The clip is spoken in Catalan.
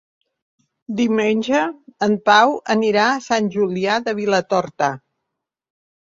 Diumenge en Pau anirà a Sant Julià de Vilatorta.